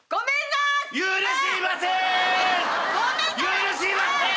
許しません！